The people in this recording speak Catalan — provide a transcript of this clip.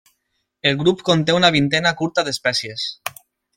El grup conté una vintena curta d'espècies.